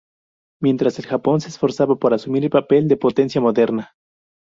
Mientras, el Japón se esforzaba por asumir el papel de potencia moderna.